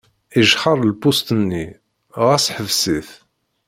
Ijexxer lpuṣt-nni, ɣas ḥbes-it.